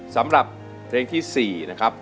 สำหรับเพลงที่๔นะครับ